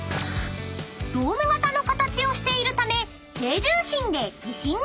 ［ドーム形の形をしているため］